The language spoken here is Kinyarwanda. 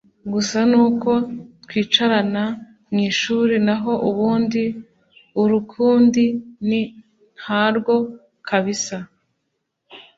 gusa nuko twicarana mwishuri naho ubundi urukundi ni ntarwo kabsa